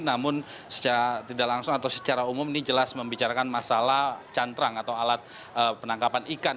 namun secara tidak langsung atau secara umum ini jelas membicarakan masalah cantrang atau alat penangkapan ikan